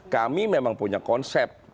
kami memang punya konsep